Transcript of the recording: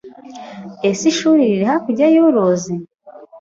Ese ishuri riri hakurya yuruzi?